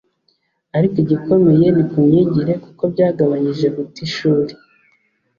ariko igikomeye ni ku myigire kuko byagabanyije guta ishuri